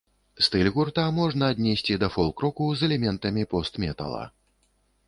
Стыль гурта можна аднесці да фолк-року з элементамі пост-метала.